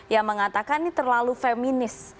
yang mengatakan terlalu feminis